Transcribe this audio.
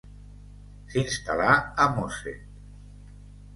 S'instal·la a Mosset.